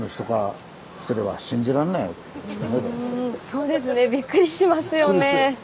そうですねびっくりしますよね。びっくりする。